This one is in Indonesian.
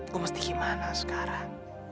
gue mesti gimana sekarang